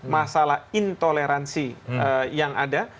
masalah intoleransi yang ada